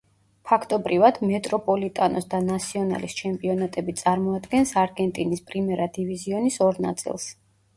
ფაქტობრივად, მეტროპოლიტანოს და ნასიონალის ჩემპიონატები წარმოადგენს არგენტინის პრიმერა დივიზიონის ორ ნაწილს.